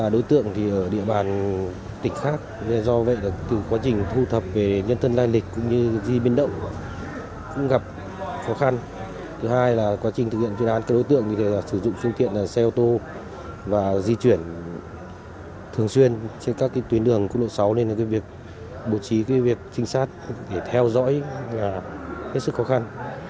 đồng chí việc trinh sát để theo dõi là hết sức khó khăn